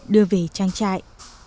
đưa về trang trại